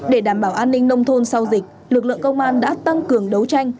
để đảm bảo an ninh nông thôn sau dịch lực lượng công an đã tăng cường đấu tranh